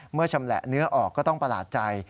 ชำแหละเนื้อออกก็ต้องประหลาดใจ